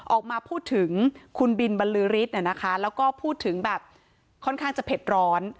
ออกมาพูดถึงคุณบินบรรลือฤทธิ์แล้วก็พูดถึงแบบค่อนข้างจะเผ็ดร้อน